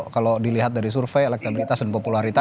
kalau dilihat dari survei elektabilitas dan popularitas